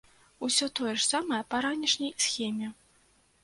Усё тое ж самае па ранішняй схеме.